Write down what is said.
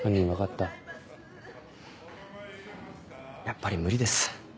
やっぱり無理です。